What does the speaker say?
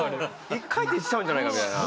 一回転しちゃうんじゃないかみたいな。